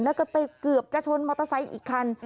แล้วก็ไปเกือบจะชนมอเตอร์ไซค์อีกคัน